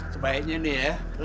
sebaiknya nih ya